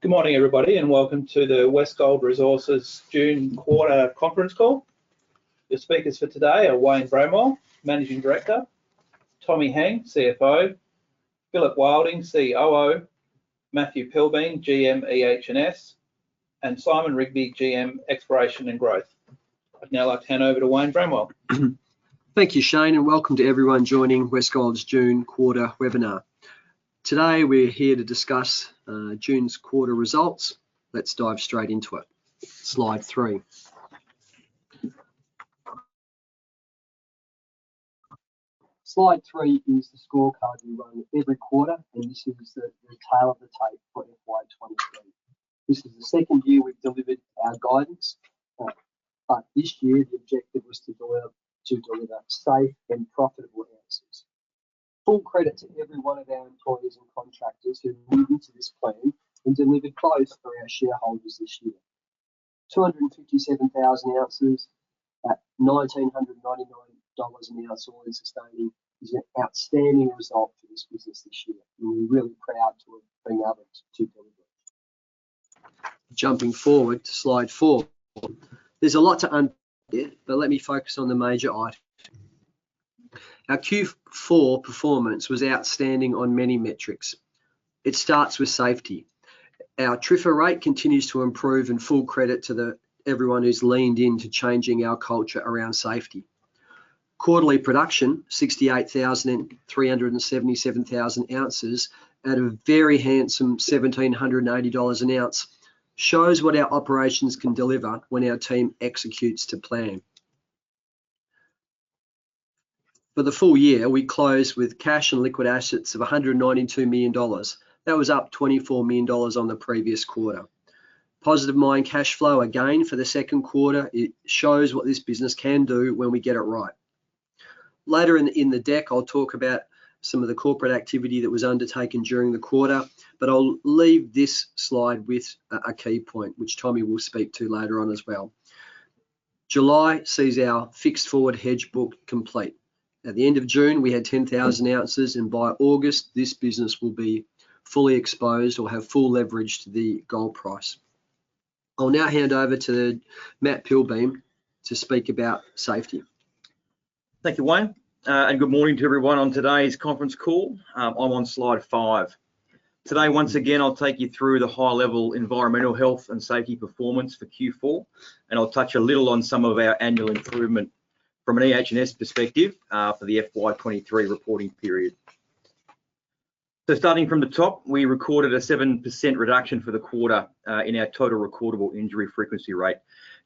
Good morning, everybody, and welcome to the Westgold Resources June quarter conference call. The speakers for today are Wayne Bramwell, Managing Director, Tommy Heng, CFO, Phillip Wilding, COO, Matthew Pilbeam, GM, EH&S, and Simon Rigby, GM, Exploration and Growth. I'd now like to hand over to Wayne Bramwell. Thank you, Shane. Welcome to everyone joining Westgold's June quarter webinar. Today, we're here to discuss June's quarter results. Let's dive straight into it. Slide three. Slide three is the scorecard we run every quarter. This is the tale of the tape for FY 2023. This is the second year we've delivered our guidance. This year, the objective was to deliver safe and profitable answers. Full credit to every one of our employees and contractors who leaned into this plan and delivered close for our shareholders this year, 257,000 oz at 1,999 dollars an ounce, all-in sustaining, is an outstanding result for this business this year. We're really proud to have been able to deliver. Jumping forward to slide four. There's a lot to unpack here. Let me focus on the major item. Our Q4 performance was outstanding on many metrics. It starts with safety. Our TRIFR rate continues to improve. Full credit to the everyone who's leaned in to changing our culture around safety. Quarterly production, 68,377oz at a very handsome 1,780 dollars an ounce, shows what our operations can deliver when our team executes to plan. For the full year, we closed with cash and liquid assets of 192 million dollars. That was up 24 million dollars on the previous quarter. Positive mine cash flow, again, for the second quarter, it shows what this business can do when we get it right. Later in the deck, I'll talk about some of the corporate activity that was undertaken during the quarter. I'll leave this slide with a key point, which Tommy will speak to later on as well. July sees our fixed forward hedge book complete. At the end of June, we had 10,000 oz, and by August, this business will be fully exposed or have full leverage to the gold price. I'll now hand over to Matt Pilbeam to speak about safety. Thank you, Wayne. Good morning to everyone on today's conference call. I'm on slide five. Today, once again, I'll take you through the high-level environmental health and safety performance for Q4, and I'll touch a little on some of our annual improvement from an EH&S perspective, for the FY 2023 reporting period. Starting from the top, we recorded a 7% reduction for the quarter, in our total recordable injury frequency rate,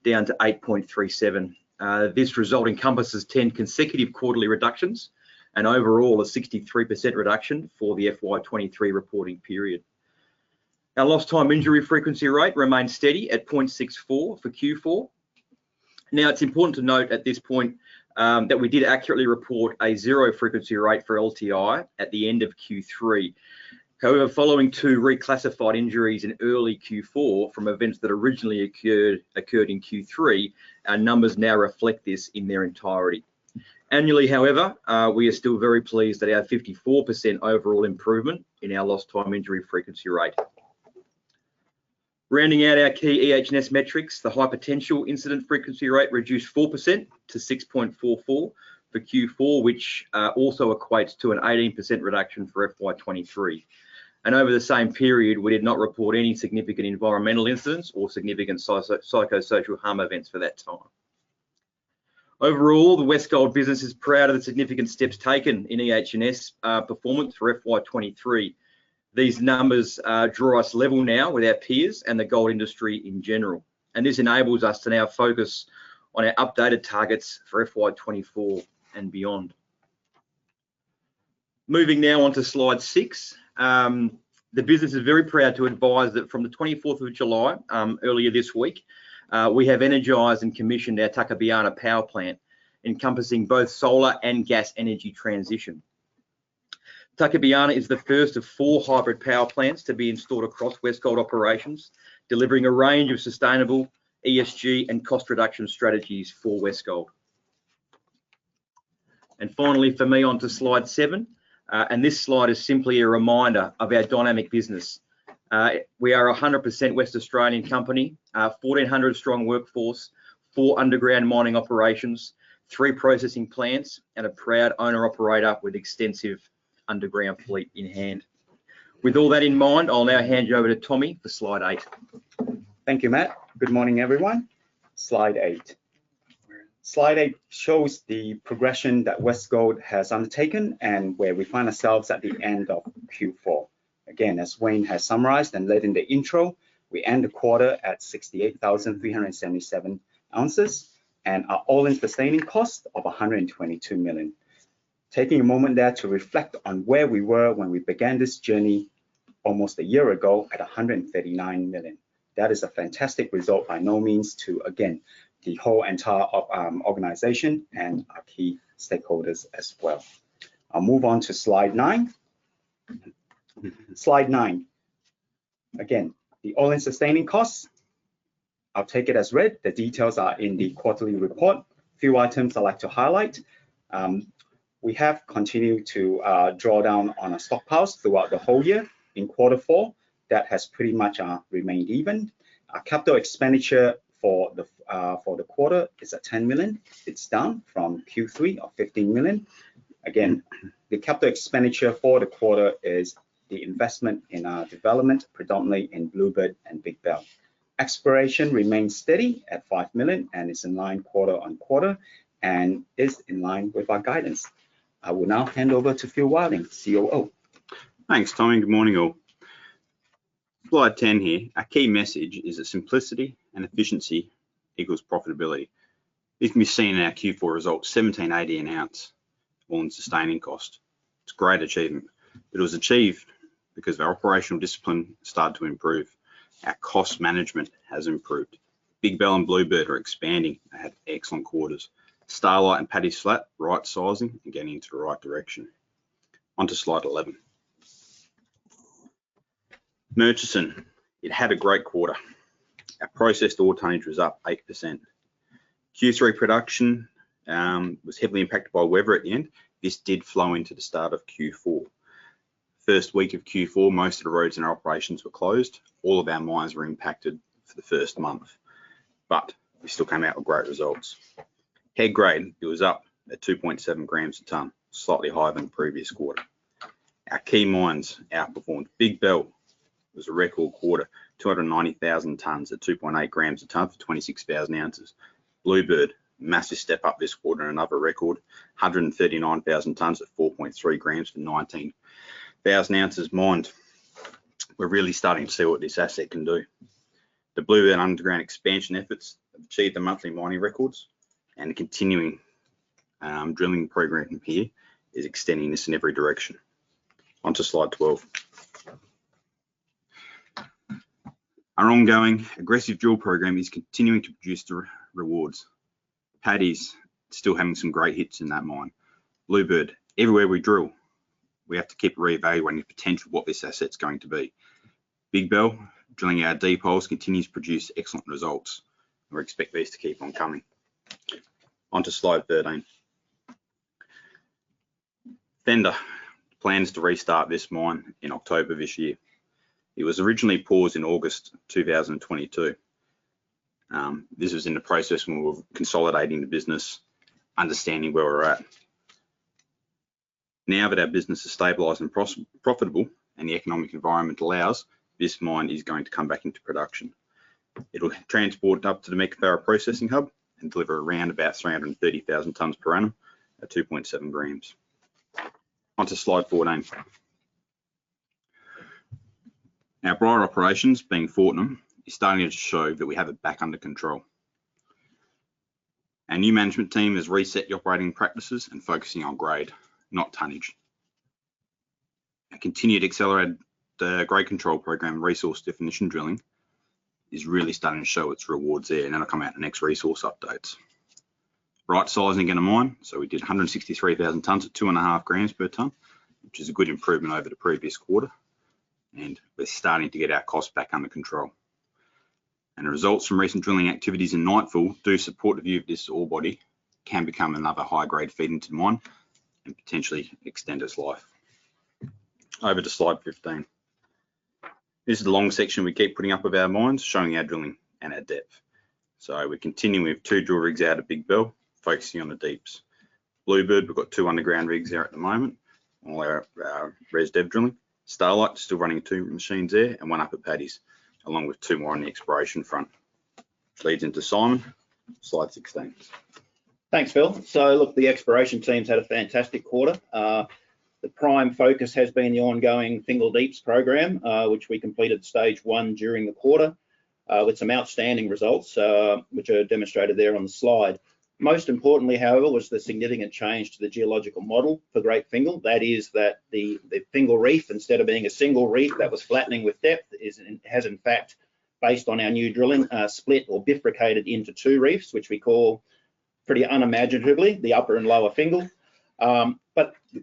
down to 8.37. This result encompasses 10 consecutive quarterly reductions and overall, a 63% reduction for the FY 2023 reporting period. Our lost time injury frequency rate remains steady at 0.64 for Q4. It's important to note at this point, that we did accurately report a 0 frequency rate for LTI at the end of Q3. However, following two reclassified injuries in early Q4 from events that originally occurred in Q3, our numbers now reflect this in their entirety. Annually, however, we are still very pleased at our 54% overall improvement in our lost time injury frequency rate. Rounding out our key EH&S metrics, the high potential incident frequency rate reduced 4% to 6.44 for Q4, which also equates to an 18% reduction for FY 2023. Over the same period, we did not report any significant environmental incidents or significant psychosocial harm events for that time. Overall, the Westgold business is proud of the significant steps taken in EH&S performance for FY 2023. These numbers draw us level now with our peers and the gold industry in general. This enables us to now focus on our updated targets for FY 2024 and beyond. Moving now on to slide six. The business is very proud to advise that from the 24th of July, earlier this week, we have energized and commissioned our Tuckabianna Power Plant, encompassing both solar and gas energy transition. Tuckabianna is the first of four hybrid power plants to be installed across Westgold operations, delivering a range of sustainable ESG and cost reduction strategies for Westgold. Finally, for me, onto slide seven. This slide is simply a reminder of our dynamic business. We are a 100% West Australian company, 1,400 strong workforce, four underground mining operations, three processing plants, and a proud owner-operator with extensive underground fleet in hand. With all that in mind, I'll now hand you over to Tommy for slide eight. Thank you, Matt. Good morning, everyone. Slide eight. Slide eight shows the progression that Westgold has undertaken and where we find ourselves at the end of Q4. Again, as Wayne has summarized and led in the intro, we end the quarter at 68,377 oz and our all-in sustaining cost of 122 million. Taking a moment there to reflect on where we were when we began this journey almost a year ago at 139 million. That is a fantastic result, by no means, to again, the whole entire of organization and our key stakeholders as well. I'll move on to slide nine. Slide nine. Again, the all-in sustaining costs. I'll take it as read. The details are in the quarterly report. A few items I'd like to highlight. We have continued to draw down on our stockhouse throughout the whole year. In quarter four, that has pretty much remained even. Our capital expenditure for the quarter is at 10 million. It's down from Q3 of 15 million. Again, the capital expenditure for the quarter is the investment in our development, predominantly in Bluebird and Big Bell. Exploration remains steady at 5 million, and is in line quarter-on-quarter, and is in line with our guidance. I will now hand over to Phil Wilding, COO. Thanks, Tommy. Good morning, all. Slide 10 here. Our key message is that simplicity and efficiency equals profitability. It can be seen in our Q4 results, 1,780 an ounce on sustaining cost. It's a great achievement. It was achieved because our operational discipline started to improve. Our cost management has improved. Big Bell and Bluebird are expanding. They had excellent quarters. Starlight and Paddy's Flat, right sizing and getting into the right direction. On to slide 11. Murchison, it had a great quarter. Our processed ore tonnage was up 8%. Q3 production was heavily impacted by weather at the end. This did flow into the start of Q4. 1st week of Q4, most of the roads and our operations were closed. All of our mines were impacted for the first month. We still came out with great results. Head grade, it was up at 2.7 grams a tonne, slightly higher than the previous quarter. Our key mines outperformed. Big Bell was a record quarter, 290,000 tonnes at 2.8 grams a tonne for 26,000 ounces. Bluebird, massive step up this quarter, another record, 139,000 tonnes at 4.3 g for 19,000 oz mined. We're really starting to see what this asset can do. The Bluebird underground expansion efforts have achieved the monthly mining records, and the continuing drilling program here is extending this in every direction. On to slide 12. Our ongoing aggressive drill program is continuing to produce the rewards. Paddy's still having some great hits in that mine. Bluebird, everywhere we drill, we have to keep reevaluating the potential of what this asset's going to be. Big Bell, drilling our deep holes, continues to produce excellent results. We expect these to keep on coming. On to slide 13. Fender, plans to restart this mine in October this year. It was originally paused in August 2022. This was in the process when we were consolidating the business, understanding where we're at. Now that our business is stabilized and profitable, and the economic environment allows, this mine is going to come back into production. It will transport it up to the Meekatharra processing hub and deliver around about 330,000 tonnes per annum at 2.7 g. On to slide 14. Our broader operations, being Fortnum, is starting to show that we have it back under control. Our new management team has reset the operating practices and focusing on grade, not tonnage. Our continued accelerated, grade control program, resource definition drilling, is really starting to show its rewards there, and that'll come out in the next resource updates. Right sizing in the mine, we did 163,000 tonnes at 2.5 grams per tonne, which is a good improvement over the previous quarter, and we're starting to get our costs back under control. The results from recent drilling activities in Nightfall do support the view that this ore body can become another high-grade feed into the mine and potentially extend its life. Over to slide 15. This is the long section we keep putting up of our mines, showing our drilling and our depth. We're continuing with two drill rigs out of Big Bell, focusing on the deeps. Bluebird, we've got two underground rigs there at the moment, all our res dev drilling. Starlight, still running two machines there, and one up at Paddy's, along with two more on the exploration front. Which leads into Simon. Slide 16. Thanks, Phil. The exploration team's had a fantastic quarter. The prime focus has been the ongoing Fingall Deeps program, which we completed stage one during the quarter, with some outstanding results, which are demonstrated there on the slide. Most importantly, however, was the significant change to the geological model for Great Fingall. The Fingall Reef, instead of being a single reef that was flattening with depth, has in fact, based on our new drilling, split or bifurcated into two reefs, which we call pretty unimaginatively, the Upper and Lower Fingall.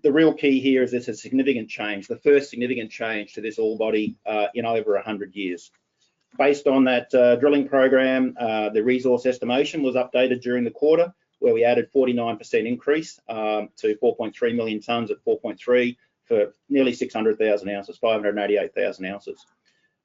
The real key here is this is a significant change, the first significant change to this ore body in over 100 years. Based on that drilling program, the resource estimation was updated during the quarter, where we added 49% increase to 4.3 million tonnes at 4.3 for nearly 600,000 oz, 588,000 oz.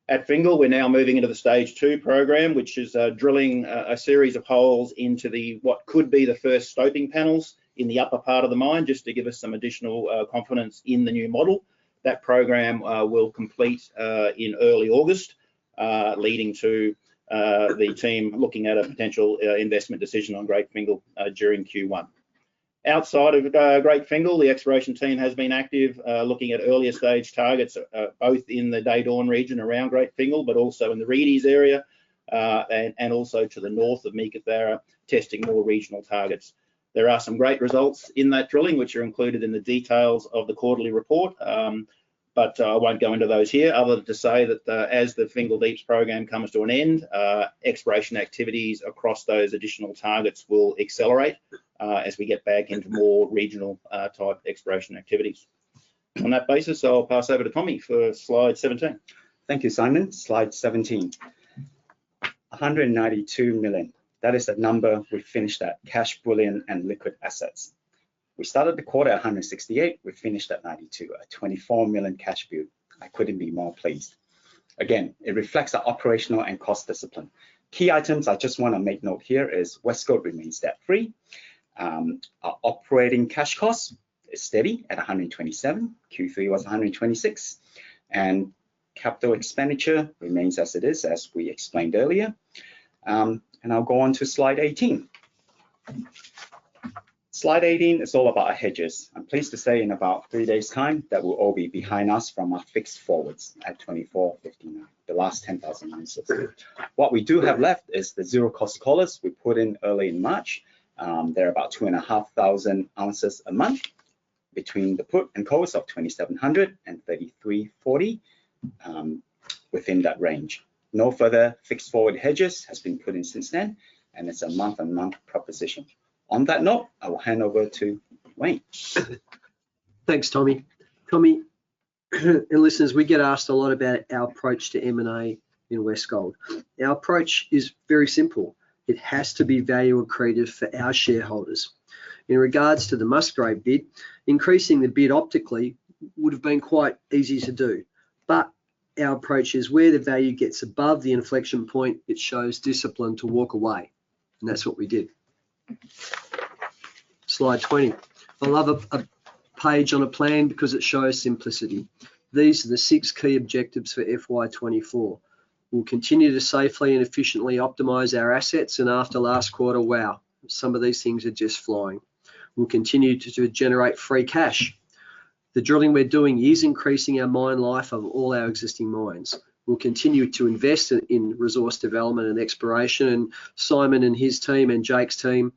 At Fingall, we're now moving into the stage two program, which is drilling a series of holes into the what could be the first stoping panels in the upper part of the mine, just to give us some additional confidence in the new model. That program will complete in early August, leading to the team looking at a potential investment decision on Great Fingall during Q1. Outside of Great Fingall, the exploration team has been active, looking at earlier stage targets, both in the Day Dawn region around Great Fingall, but also in the Reedy's area, and also to the north of Meekatharra, testing more regional targets. There are some great results in that drilling, which are included in the details of the quarterly report, but I won't go into those here, other than to say that as the Fingall Deeps program comes to an end, exploration activities across those additional targets will accelerate, as we get back into more regional type exploration activities. On that basis, I'll pass over to Tommy for slide 17. Thank you, Simon. Slide 17. 192 million, that is the number we finished at, cash, bullion, and liquid assets. We started the quarter at 168 million, we finished at 92 million, a 24 million cash build. I couldn't be more pleased. Again, it reflects our operational and cost discipline. Key items I just wanna make note here is Westgold remains debt-free. Our operating cash cost is steady at 127 million, Q3 was 126 million, and capital expenditure remains as it is, as we explained earlier. I'll go on to slide 18. Slide 18 is all about our hedges. I'm pleased to say in about three days' time, that will all be behind us from our fixed forwards at 2,415, the last 10,000 oz. What we do have left is the zero-cost collars we put in early in March. They're about 2,500 oz a month between the put and calls of 2,700 and 3,340, within that range. No further fixed forward hedges has been put in since then, it's a month-on-month proposition. On that note, I will hand over to Wayne. Thanks, Tommy. Tommy, listeners, we get asked a lot about our approach to M&A in Westgold Resources. Our approach is very simple: It has to be value accretive for our shareholders. In regards to the Musgrave bid, increasing the bid optically would've been quite easy to do, Our approach is, where the value gets above the inflection point, it shows discipline to walk away, That's what we did. Slide 20. I love a page on a plan because it shows simplicity. These are the six key objectives for FY 2024. We'll continue to safely and efficiently optimize our assets. After last quarter, wow, some of these things are just flying. We'll continue to generate free cash. The drilling we're doing is increasing our mine life of all our existing mines. We'll continue to invest in resource development and exploration. Simon and his team, and Jake's team,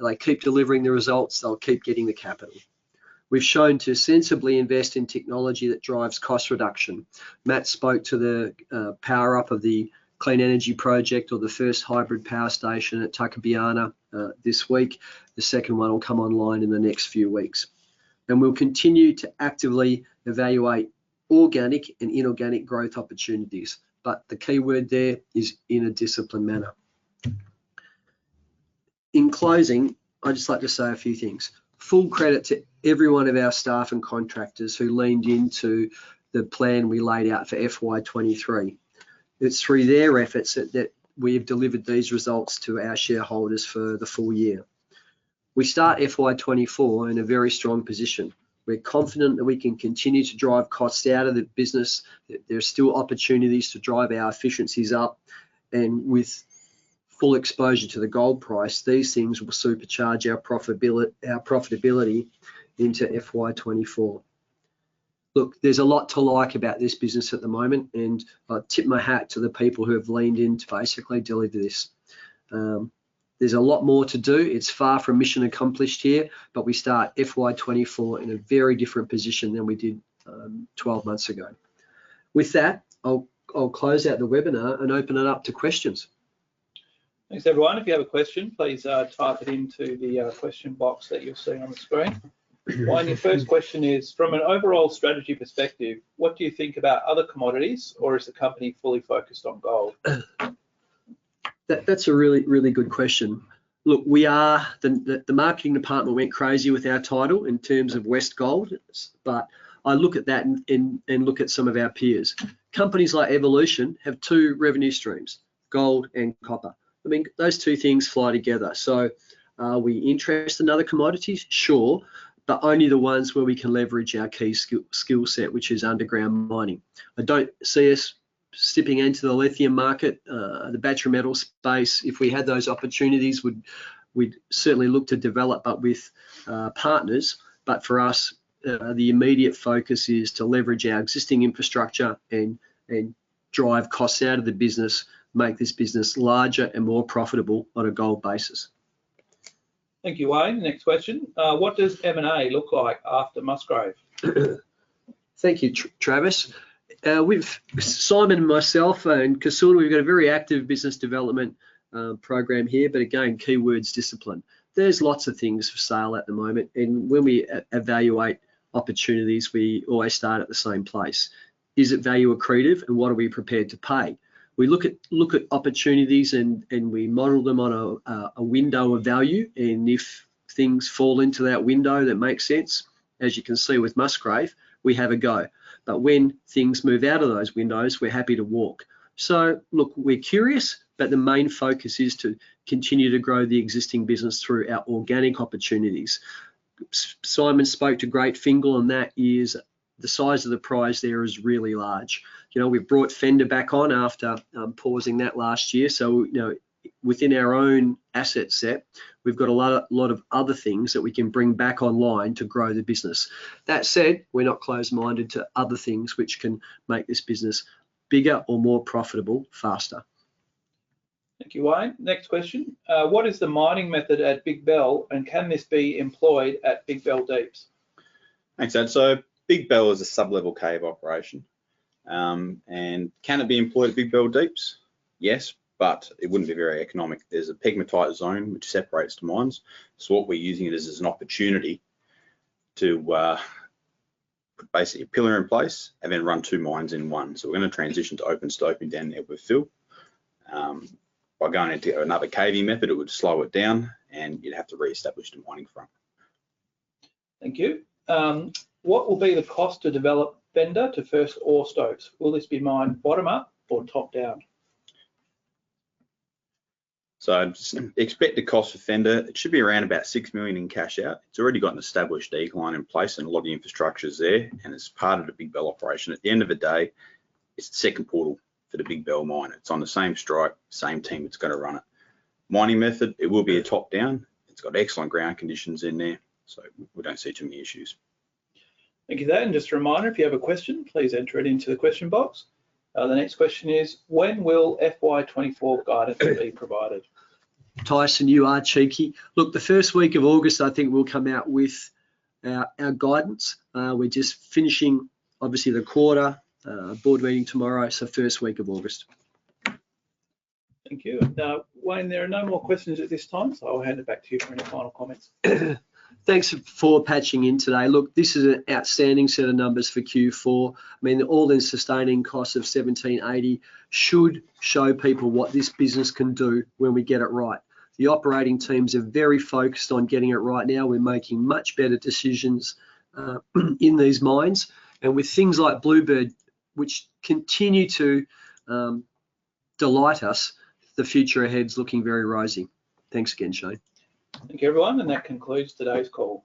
they keep delivering the results, they'll keep getting the capital. We've shown to sensibly invest in technology that drives cost reduction. Matt spoke to the power-up of the clean energy project, or the first hybrid power station at Tuckabianna this week. The second one will come online in the next few weeks. We'll continue to actively evaluate organic and inorganic growth opportunities, but the key word there is in a disciplined manner. In closing, I'd just like to say a few things. Full credit to every one of our staff and contractors who leaned into the plan we laid out for FY 2023. It's through their efforts that we have delivered these results to our shareholders for the full year. We start FY 2024 in a very strong position. We're confident that we can continue to drive costs out of the business. There are still opportunities to drive our efficiencies up, and with full exposure to the gold price, these things will supercharge our profitability into FY 2024. Look, there's a lot to like about this business at the moment, and I tip my hat to the people who have leaned in to basically deliver this. There's a lot more to do. It's far from mission accomplished here, but we start FY 2024 in a very different position than we did 12 months ago. With that, I'll close out the webinar and open it up to questions. Thanks, everyone. If you have a question, please type it into the question box that you're seeing on the screen. Wayne, your first question is, from an overall strategy perspective, what do you think about other commodities, or is the company fully focused on gold? That's a really, really good question. Look, the marketing department went crazy with our title in terms of Westgold, but I look at that and look at some of our peers. Companies like Evolution have two revenue streams: gold and copper. I mean, those two things fly together. Are we interested in other commodities? Sure, but only the ones where we can leverage our key skill set, which is underground mining. I don't see us slipping into the lithium market, the battery metal space. If we had those opportunities, we'd certainly look to develop, but with partners. For us, the immediate focus is to leverage our existing infrastructure and drive costs out of the business, make this business larger and more profitable on a gold basis. Thank you, Wayne. Next question: what does M&A look like after Musgrave? Thank you, Travis. With Simon and myself and Kasun, we've got a very active business development program here, but again, key word is discipline. There's lots of things for sale at the moment, and when we evaluate opportunities, we always start at the same place. Is it value accretive, and what are we prepared to pay? We look at opportunities, and we model them on a window of value, and if things fall into that window that makes sense, as you can see with Musgrave, we have a go. When things move out of those windows, we're happy to walk. Look, we're curious, but the main focus is to continue to grow the existing business through our organic opportunities. Simon spoke to Great Fingall, and that is the size of the prize there is really large. You know, we've brought Fender back on after pausing that last year. You know, within our own asset set, we've got a lot of other things that we can bring back online to grow the business. That said, we're not closed-minded to other things which can make this business bigger or more profitable faster. Thank you, Wayne. Next question, what is the mining method at Big Bell, and can this be employed at Fingall Deeps? Thanks, Ed. Big Bell is a sub-level cave operation. Can it be employed at Fingall Deeps? Yes, it wouldn't be very economic. There's a pegmatite zone which separates the mines, so what we're using it is as an opportunity to basically put a pillar in place and then run two mines in one. We're gonna transition to open stope down there with Phil. By going into another caving method, it would slow it down, and you'd have to reestablish the mining front. Thank you. What will be the cost to develop Fender to first ore stopes? Will this be mined bottom up or top down? Just expect the cost of Fender, it should be around about 6 million in cash out. It's already got an established decline in place, and a lot of the infrastructure is there, and it's part of the Big Bell operation. At the end of the day, it's the second portal for the Big Bell mine. It's on the same strike, same team that's gonna run it. Mining method, it will be a top down. It's got excellent ground conditions in there, so we don't see too many issues. Thank you for that, just a reminder, if you have a question, please enter it into the question box. The next question is when will FY 2024 guidance be provided? Tyson, you are cheeky. Look, the first week of August, I think, we'll come out with our guidance. We're just finishing, obviously, the quarter, board meeting tomorrow. First week of August. Thank you. Wayne, there are no more questions at this time. I'll hand it back to you for any final comments. Thanks for patching in today. This is an outstanding set of numbers for Q4. I mean, all those sustaining costs of 1,780 should show people what this business can do when we get it right. The operating teams are very focused on getting it right now. We're making much better decisions in these mines, and with things like Bluebird, which continue to delight us, the future ahead is looking very rising. Thanks again, Shane. Thank you, everyone, and that concludes today's call.